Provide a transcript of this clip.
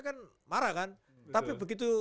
kan marah kan tapi begitu